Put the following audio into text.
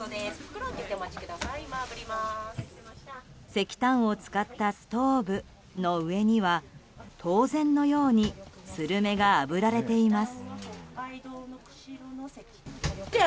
石炭を使ったストーブの上には当然のようにスルメがあぶられています。